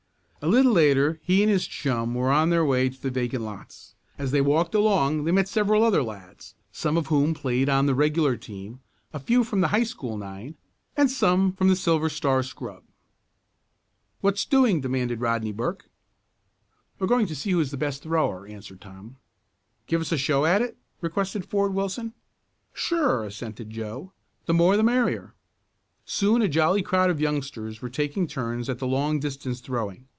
A little later he and his chum were on their way to the vacant lots. As they walked along they met several other lads, some of whom played on the regular team, a few from the High School nine, and some from the Silver Star scrub. "What's doing?" demanded Rodney Burke. "We're going to see who is the best thrower," answered Tom. "Give us a show at it?" requested Ford Wilson. "Sure," assented Joe. "The more, the merrier." Soon a jolly crowd of youngsters were taking turns at the long distance throwing.